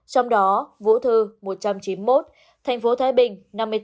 trong đó vũ thư một trăm chín mươi một thành phố thái bình năm mươi bốn